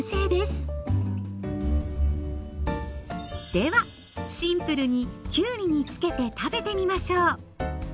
ではシンプルにきゅうりに付けて食べてみましょう。